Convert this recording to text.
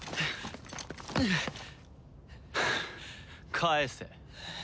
返せ。